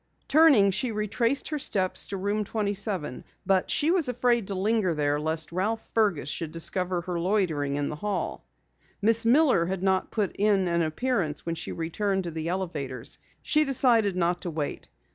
Turning, she retraced her steps to Room 27, but she was afraid to linger there lest Ralph Fergus should discover her loitering in the hall. Miss Miller had not put in an appearance when she returned to the elevators. She decided not to wait.